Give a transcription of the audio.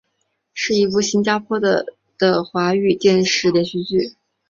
是一部新加坡的的华语电视连续剧。